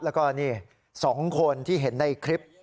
แล้วก็นี่๒คนที่เห็นในคลิป